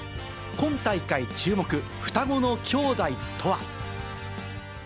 今大会注目、双子の兄弟とは。